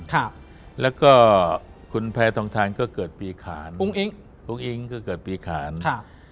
ค่ะแล้วก็คุณแพทองทานก็เกิดปีขานอุ้งอิ๊งอุ้งอิ๊งก็เกิดปีขานค่ะ